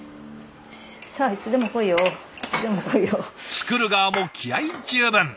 作る側も気合い十分。